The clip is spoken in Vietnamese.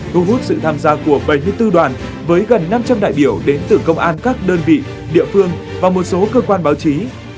thu hút sự tham gia của bảy mươi bốn đoàn với gần năm trăm linh đại biểu đến từ công an các đơn vị địa phương và một số cơ quan báo chí